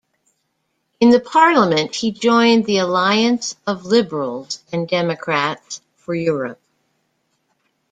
In the parliament he joined the Alliance of Liberals and Democrats for Europe.